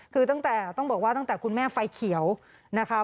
คือตั้งแต่ต้องบอกว่าตั้งแต่คุณแม่ไฟเขียวนะคะ